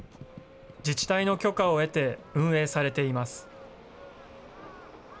自治体の許可を得て運営されています。